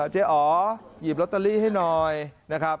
เจ๊อ๋อหยิบลอตเตอรี่ให้หน่อยนะครับ